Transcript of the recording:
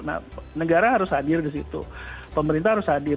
nah negara harus hadir di situ pemerintah harus hadir